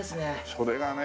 それがね